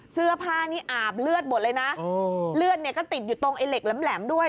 เสื้อผ้านี่อาบเลือดหมดเลยนะเลือดเนี่ยก็ติดอยู่ตรงไอ้เหล็กแหลมด้วย